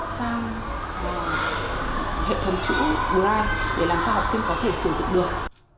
sang hệ thống chữ bùi ai để làm sao học sinh có thể sử dụng được